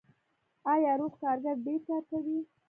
آیا روغ کارګر ډیر کار کوي؟